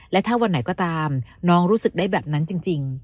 และถ้าวันไหนก็ตามน้องรู้สึกได้แบบนั้นจริง